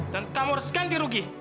dan kamu harus ganti rugi